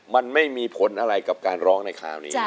มันไม่มีผลอะไรกับการร้องในคราวนี้